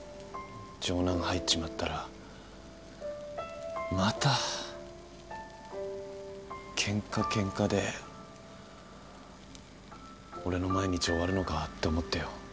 城南入っちまったらまたケンカケンカで俺の毎日終わるのかって思ってよ。